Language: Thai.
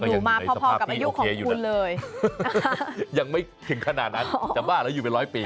อยู่มาพอกับอายุของคุณเลยยังไม่ถึงขนาดนั้นจะบ้าแล้วอยู่เป็นร้อยปี